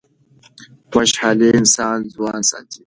خوشحالي انسان ځوان ساتي.